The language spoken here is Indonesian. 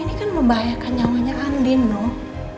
ini kan membahayakan nyawanya andin noh